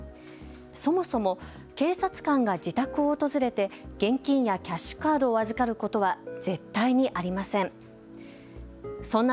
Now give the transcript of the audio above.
そもそも警察官が自宅を訪れて現金やキャッシュカードを預かることは絶対にありません。